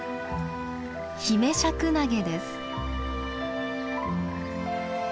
ヒメシャクナゲです。